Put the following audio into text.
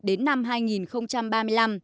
đến năm hai nghìn hai mươi